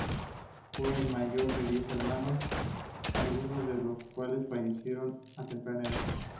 Fue el mayor de diez hermanos, algunos de los cuales fallecieron a temprana edad.